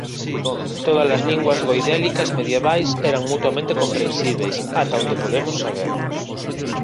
Todas as linguas goidélicas medievais eran mutuamente comprensíbeis ata onde podemos saber.